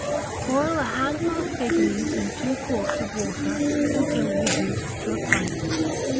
Boil a handful of fig leaves in two quarts of water until reduced to a pint.